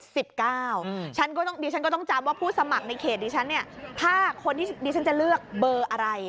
ฉันก็ต้องดิฉันก็ต้องจำว่าผู้สมัครในเขตดิฉันเนี่ยถ้าคนที่ดิฉันจะเลือกเบอร์อะไร